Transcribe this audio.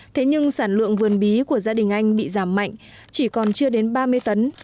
thế nhưng sản lượng vườn bí của gia đình anh bị giảm mạnh chỉ còn chưa đến ba mươi tấn